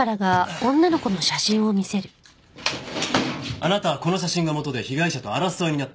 あなたはこの写真が元で被害者と争いになった。